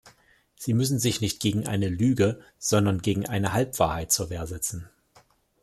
Sie müssen sich nicht gegen eine Lüge, sondern gegen eine Halbwahrheit zur Wehr setzen.